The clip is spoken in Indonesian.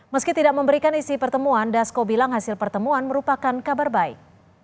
meski tidak memberikan isi pertemuan dasko bilang hasil pertemuan merupakan kabar baik